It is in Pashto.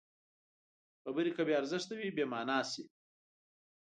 خبرې که بې ارزښته وي، بېمانا شي.